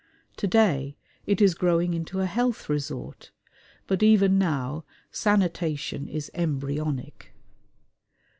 To day it is growing into a health resort, but even now sanitation is embryonic.